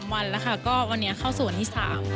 วันแล้วค่ะก็วันนี้เข้าสู่วันที่๓